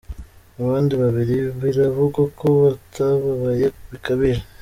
Abandi babiri biravugwa ko batababaye bikabije.